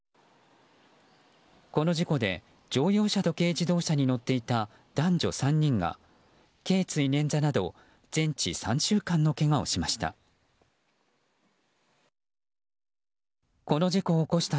この事故で、乗用車と軽自動車に乗っていた男女３人が頸椎捻挫など全治３週間のけがをしました。